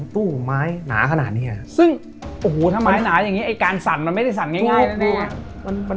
ตู้ไม้หนาขนาดนี้ถ้าไม้หนาอย่างนี้การสั่นมันไม่ได้สั่นง่ายแน่